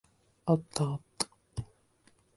あったあった。